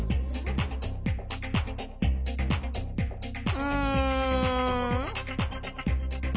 うん。